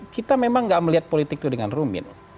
kita memang gak melihat politik itu dengan rumit